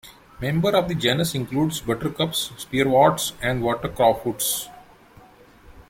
Members of the genus include the buttercups, spearworts, and water crowfoots.